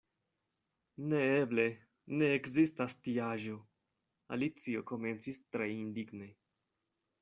"Neeble, ne ekzistas tiaĵo," Alicio komencis tre indigne.